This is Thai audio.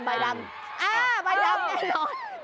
อ้าวใบดำแน่นอน